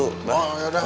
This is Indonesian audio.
oh yaudah yaudah